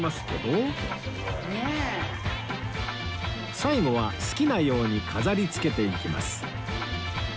最後は好きなように飾り付けていきます